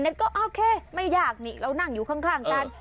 ก็โอเคไม่ยากนี่เรานั่งอยู่ข้างกัน